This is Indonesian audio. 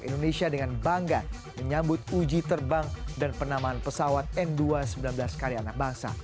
indonesia dengan bangga menyambut uji terbang dan penamaan pesawat m dua sembilan belas karyana bangsa